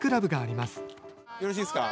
よろしいですか？